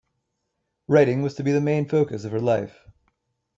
Writing was to be the main focus of her life.